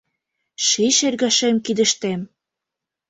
Ший шергашем кидыштем.